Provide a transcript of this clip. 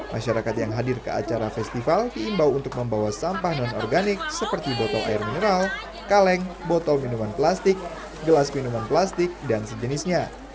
masyarakat yang hadir ke acara festival diimbau untuk membawa sampah non organik seperti botol air mineral kaleng botol minuman plastik gelas minuman plastik dan sejenisnya